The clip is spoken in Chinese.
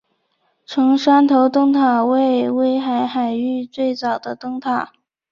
成山头灯塔为威海海域最早的灯塔。